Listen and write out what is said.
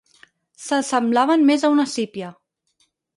S'assemblaven més a una sípia.